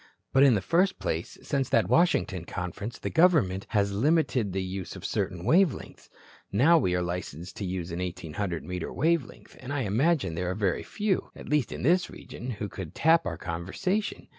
But, in the first place, since that Washington conference, the government has limited the use of certain wave lengths. Now we are licensed to use an 1,800 metre wave length, and I imagine there are very few at least in this region who could 'tap' our conversation.